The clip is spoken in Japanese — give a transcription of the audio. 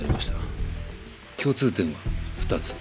共通点は２つ。